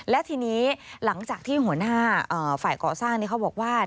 และทีนี้หลังจากที่หัวหน้าฝ่ายก่อสร้างเขาบอกว่า